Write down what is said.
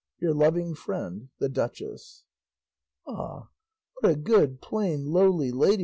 Your loving friend, THE DUCHESS. "Ah, what a good, plain, lowly lady!"